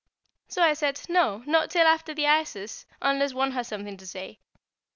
So I said: "No, nor till after the ices, unless one has something to say."